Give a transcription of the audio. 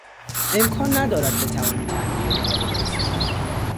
امکان ندارد بتوانی تنهایی آن را بنویسی.